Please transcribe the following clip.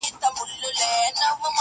زه به درسمه په لپه منګی ورو ورو ډکومه،